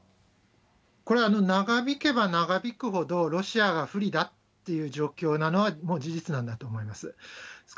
これ、長引けば長引くほど、ロシアが不利だっていう状況なのはもう事実なんだと思います。